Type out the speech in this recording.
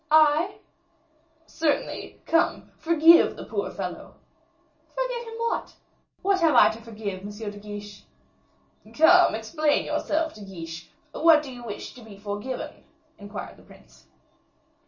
"I?" "Certainly. Come, forgive the poor fellow." "Forgive him what? What have I to forgive M. de Guiche?" "Come, explain yourself, De Guiche. What do you wish to be forgiven?" inquired the prince.